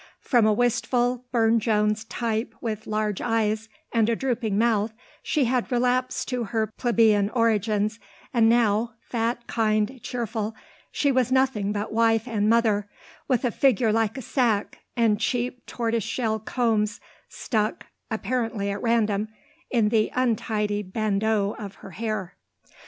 From a wistful Burne Jones type with large eyes and a drooping mouth she had relapsed to her plebeian origins and now, fat, kind, cheerful, she was nothing but wife and mother, with a figure like a sack and cheap tortoiseshell combs stuck, apparently at random, in the untidy bandeaux of her hair.